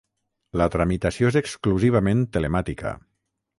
La tramitació és exclusivament telemàtica.